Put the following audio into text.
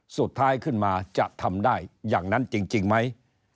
สุดท้ายขึ้นมาจะทำได้อย่างนั้นจริงไหม